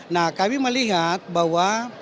nah kami melihat bahwa